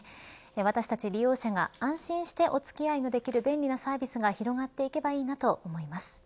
私たち利用者が安心してお付き合いのできる便利なサービスが広まっていけばいいなと思います。